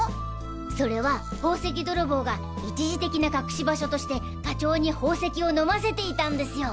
それは宝石泥棒が一時的な隠し場所としてガチョウに宝石を飲ませていたんですよ。